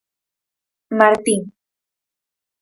Martin.